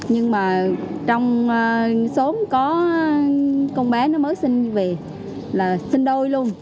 nhưng mà trong xóm có con bé nó mới sinh về là sinh đôi luôn